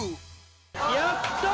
やったー！